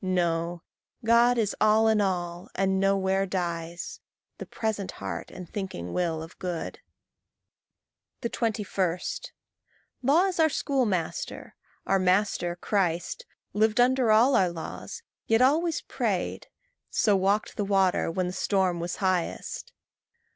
No; God is all in all, and nowhere dies The present heart and thinking will of good. 21. Law is our schoolmaster. Our master, Christ, Lived under all our laws, yet always prayed So walked the water when the storm was highest.